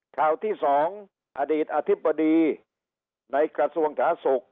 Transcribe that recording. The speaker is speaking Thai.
ข่าวที่สองอดีตอธิบดีในกระทรวงศาสตร์ศุกร์